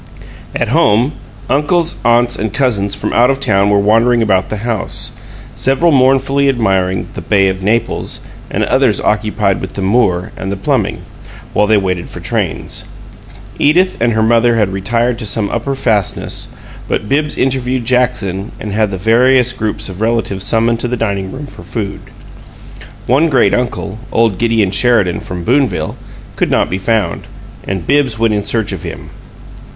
At home, uncles, aunts, and cousins from out of town were wandering about the house, several mournfully admiring the "Bay of Naples," and others occupied with the Moor and the plumbing, while they waited for trains. Edith and her mother had retired to some upper fastness, but Bibbs interviewed Jackson and had the various groups of relatives summoned to the dining room for food. One great uncle, old Gideon Sheridan from Boonville, could not be found, and Bibbs went in search of him.